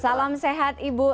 salam sehat ibu